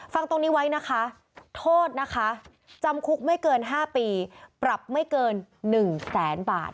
ฟังตรงนี้ไว้นะคะโทษนะคะจำคุกไม่เกิน๕ปีปรับไม่เกิน๑แสนบาท